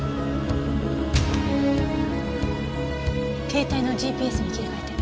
携帯のＧＰＳに切り替えて。